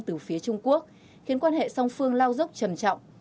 từ phía trung quốc khiến quan hệ song phương lao dốc trầm trọng